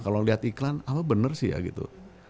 kalau lihat iklan apa bener sih ya gitu